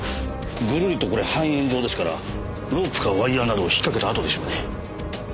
ぐるりとこれ半円状ですからロープかワイヤーなどをひっかけた跡でしょうね。